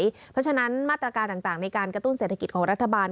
เพราะฉะนั้นมาตรการต่างในการกระตุ้นเศรษฐกิจของรัฐบาล